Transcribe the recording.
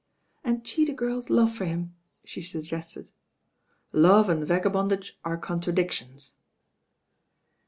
"And cheat a girl's love for him," she suggested. "Love and vagabondage are contradictions."